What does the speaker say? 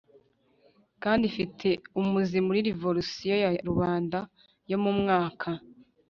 kandi ifite umuzi muri revorusiyo ya rubanda yo mu mwaka